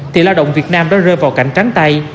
thì lao động việt nam đã rơi vào cảnh trắng tay